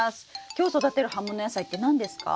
今日育てる葉物野菜って何ですか？